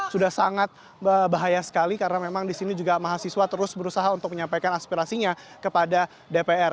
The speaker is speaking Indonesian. sudah sangat bahaya sekali karena memang di sini juga mahasiswa terus berusaha untuk menyampaikan aspirasinya kepada dpr